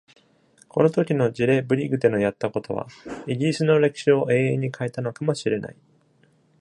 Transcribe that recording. この時のジレ・ブリグテのやったことは、イギリスの歴史を永遠に変えたのかもしれない。